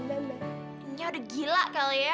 ini udah gila kali ya